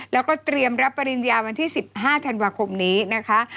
แล้วก็เตรียมรับปริญญาวันที่๑๕ธันวาคมนี้นะคะ